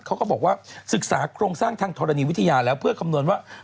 เขาก็บอกว่าศึกษาโครงสร้างทางธรณีวิทยาแล้วเพื่อคำนวณว่า